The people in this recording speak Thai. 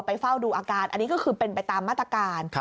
เฝ้าดูอาการอันนี้ก็คือเป็นไปตามมาตรการ